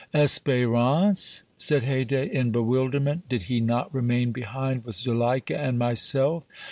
"Espérance?" said Haydée in bewilderment. "Did he not remain behind with Zuleika and myself?"